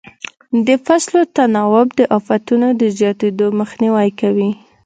د فصلو تناوب د افتونو د زیاتېدو مخنیوی کوي.